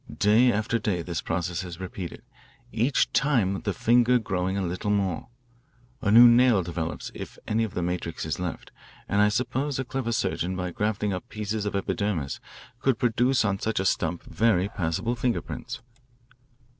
Day after day this process is repeated, each time the finger growing a little more. A new nail develops if any of the matrix is left, and I suppose a clever surgeon by grafting up pieces of epidermis could produce on such a stump very passable finger prints."